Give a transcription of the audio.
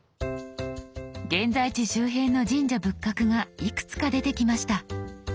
現在地周辺の神社仏閣がいくつか出てきました。